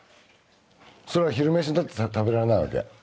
そりゃ昼飯だって食べられないわけ。